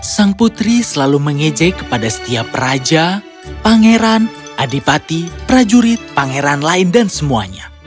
sang putri selalu mengejek kepada setiap raja pangeran adipati prajurit pangeran lain dan semuanya